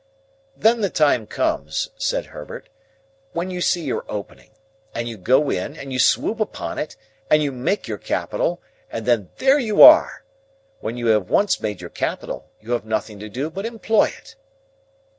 "Then the time comes," said Herbert, "when you see your opening. And you go in, and you swoop upon it and you make your capital, and then there you are! When you have once made your capital, you have nothing to do but employ it."